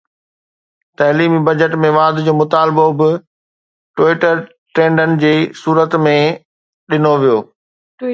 تعليمي بجيٽ ۾ واڌ جو مطالبو به ٽوئيٽر ٽريڊن جي صورت ۾ ڏٺو ويو